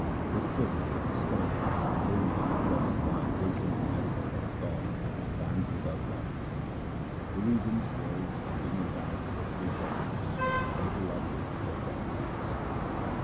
The Sidhs, Strivers, and holy men who have acquired wisdom to meditate on God, dance in God's love. The regions, worlds, beings endowed with the three qualities, and they who love Thee, O God, dance.